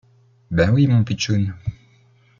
Ben oui, mon pitchoun.